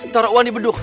taruh uang di bedug